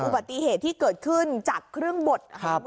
อุบัติเหตุที่เกิดขึ้นจากเครื่องบดนะครับ